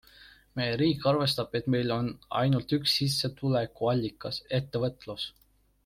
Meie riik arvestab, et meil on ainult üks sissetulekuallikas - ettevõtlus.